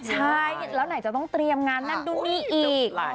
ใช่แล้วไหนจะต้องเตรียมงานนั่นนู่นนี่อีก